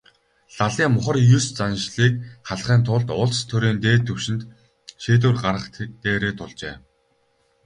Лалын мухар ес заншлыг халахын тулд улс төрийн дээд түвшинд шийдвэр гаргах дээрээ тулжээ.